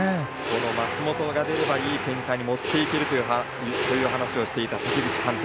松本が出ればいい展開に持っていけるという話をしていた関口監督。